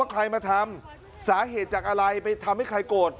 ใครมาทำสาเหตุจากอะไรไปทำให้ใครโกรธ